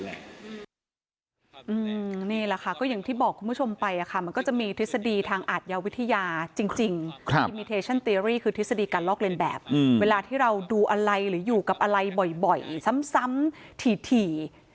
นี่แหละค่ะก็อย่างที่บอกคุณผู้ชมไปค่ะมันก็จะมีทฤษฎีทางอาทยาวิทยาจริงพีเคชั่นเตอรี่คือทฤษฎีการลอกเลียนแบบเวลาที่เราดูอะไรหรืออยู่กับอะไรบ่อยซ้ำถี่